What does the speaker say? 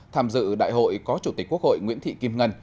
tham dự đại hội có chủ tịch quốc hội nguyễn thị kim ngân